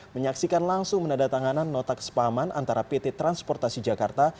menyaksikan langsung menadatanganan notak sepaman antara pt transportasi jakarta